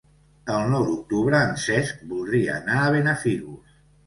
El nou d'octubre en Cesc voldria anar a Benafigos.